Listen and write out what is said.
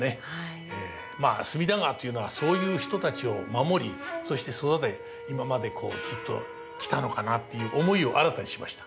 まあ隅田川というのはそういう人たちを守りそして育て今までずっと来たのかなっていう思いを新たにしました。